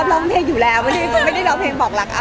บรรที่มีเซลล์มีอะไรอีกไหมครับ